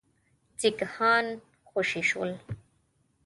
سیکهان خوشي شول.